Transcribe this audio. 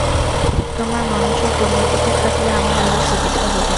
তোমার মনোযোগ অন্যদিকে থাকলে আমার আরো সুবিধা হবে।